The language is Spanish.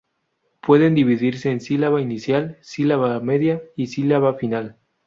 Pueden dividirse en sílaba inicial, sílaba media y sílaba final.